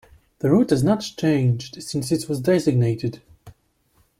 The route has not changed since it was designated.